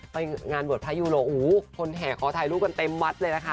ไปงานเบิร์ดพระยูโรโหคนแห่ของถ่ายรูปกันเต็มวัดเลยแหละค่ะ